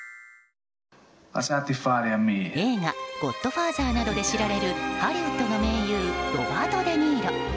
映画「ゴッドファーザー」などで知られるハリウッドの盟友ロバート・デ・ニーロ。